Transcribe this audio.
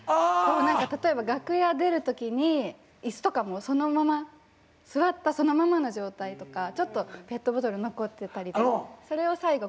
例えば楽屋出る時に椅子とかもそのまま座ったそのままの状態とかちょっとペットボトル残ってたりとかそれを最後